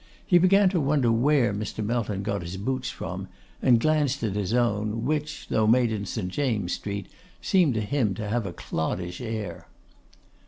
He began to wonder where Mr. Melton got his boots from, and glanced at his own, which, though made in St. James's Street, seemed to him to have a cloddish air.